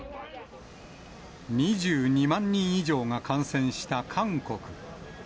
２２万人以上が感染した韓国。